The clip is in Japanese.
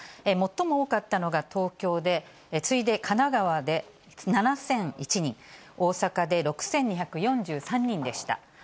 最も多かったのが東京で、次いで神奈川で７００１人、大阪で６２４３人でした。